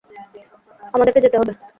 আমাদেরকে যেতে হবে।